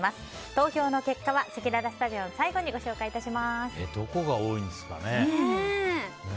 投票の結果はせきららスタジオの最後にどこが多いんですかね。